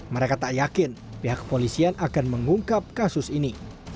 mereka tak yakin pihak kepolisian akan mengungkap kasus ini